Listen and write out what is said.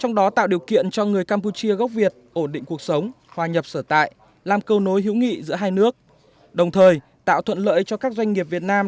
ổn định cuộc sống hòa nhập sở tại làm câu nối hữu nghị giữa hai nước đồng thời tạo thuận lợi cho các doanh nghiệp việt nam